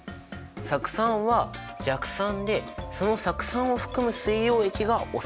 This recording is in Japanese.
酢酸は弱酸でその酢酸を含む水溶液がお酢だよね。